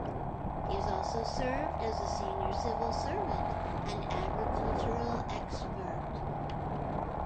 He has also served as a senior civil servant and agricultural expert.